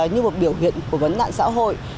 như một biểu hiện của vấn đạn xã hội